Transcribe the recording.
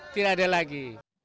tidak ada lagi